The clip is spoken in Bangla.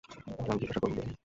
তাহলে আমি জিজ্ঞাসা করব কিভাবে?